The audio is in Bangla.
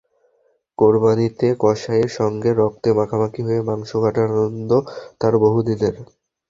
কোরবানিতে কসাইয়ের সঙ্গে রক্তে মাখামাখি হয়ে মাংস কাটার আনন্দ তার বহুদিনের।